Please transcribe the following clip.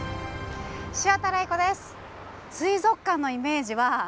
潮田玲子です。